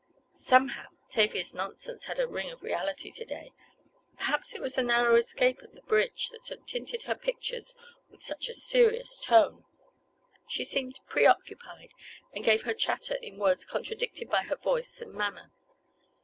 Somehow Tavia's nonsense had a ring of reality to day. Perhaps it was the narrow escape at the bridge that had tinted her pictures with such a serious tone—she seemed preoccupied, and gave her chatter in words contradicted by her voice and manner.